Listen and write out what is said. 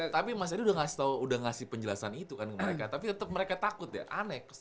tapi mas ery udah ngasih tahu udah ngasih penjelasan itu kan ke mereka tapi tetep mereka takut ya aneh